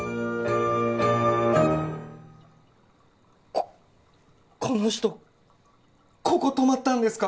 ここの人ここ泊まったんですか？